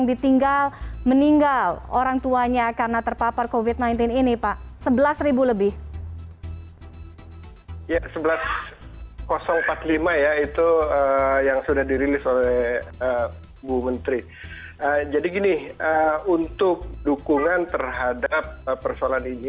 itu mendapatkan penanganan